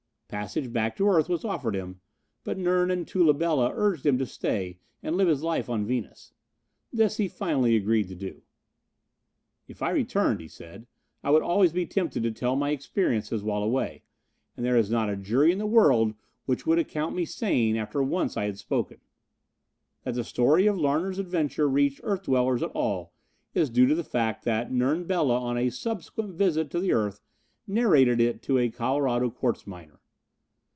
Passage back to earth was offered him, but Nern and Tula Bela urged him to say and live his life on Venus. This he finally agreed to do. "If I returned," he said, "I would always be tempted to tell my experiences while away, and there is not a jury in the world which would account me sane after I had once spoken." That the story of Larner's adventure reached earth dwellers at all is due to the fact that Nern Bela on a subsequent visit to the earth narrated it to a Colorado quartz miner.